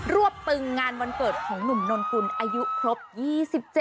วบตึงงานวันเกิดของหนุ่มนนกุลอายุครบ๒๗